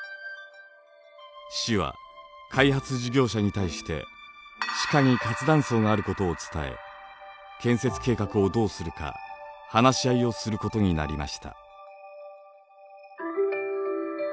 市は開発事業者に対して地下に活断層があることを伝え建設計画をどうするか話し合いをすることになりました。